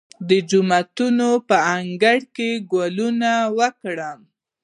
د جومات په انګړ کې ګلونه وکرم؟